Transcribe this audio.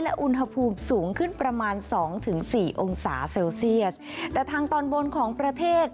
และอุณหภูมิสูงขึ้นประมาณสองถึงสี่องศาเซลเซียสแต่ทางตอนบนของประเทศ